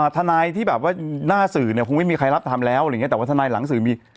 ทนายที่แบบว่าหน้าสื่อเนี่ยคงไม่มีใครรับทำแล้วอะไรอย่างเงี้แต่ว่าทนายหลังสื่อมี